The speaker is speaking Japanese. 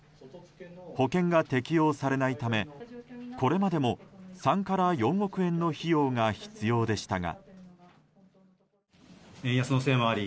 保険が適用されないためこれまでも３から４億円の費用が必要でしたが。